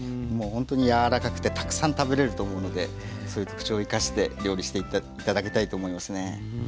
もうほんとに柔らかくてたくさん食べれると思うのでそういう特徴を生かして料理して頂きたいと思いますね。